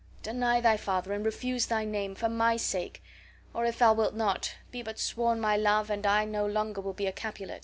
Deny thy father and refuse thy name, for my sake; or if thou wilt not, be but my sworn love, and I no longer will be a Capulet."